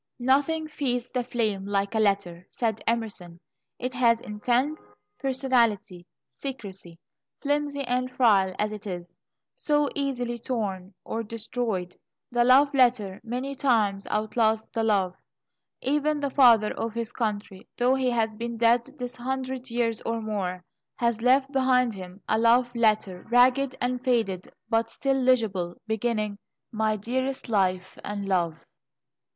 "Nothing feeds the flame like a letter," said Emerson; "it has intent, personality, secrecy." Flimsy and frail as it is, so easily torn or destroyed, the love letter many times outlasts the love. Even the Father of his Country, though he has been dead this hundred years or more, has left behind him a love letter, ragged and faded, but still legible, beginning: "My Dearest Life and Love."